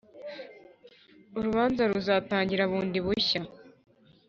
urubanza ruzatangira bundi bushya